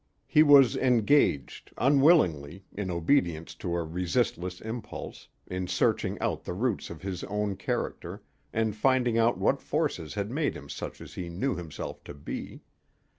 He was engaged, unwillingly, in obedience to a resistless impulse, in searching out the roots of his own character, and finding out what forces had made him such as he knew himself to be.